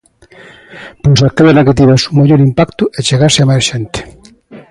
Pois aquela na que tivese un maior impacto e chegase a máis xente.